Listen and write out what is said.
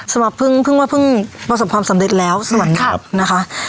สำหรับพึ่งพึ่งว่าพึ่งประสบความสำเร็จแล้วสวรรค์นะคะ